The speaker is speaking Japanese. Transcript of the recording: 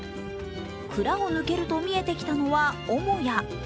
蔵を抜けると見えてきたのは母屋。